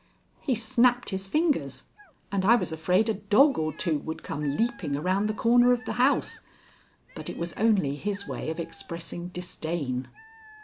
He snapped his fingers, and I was afraid a dog or two would come leaping around the corner of the house. But it was only his way of expressing disdain.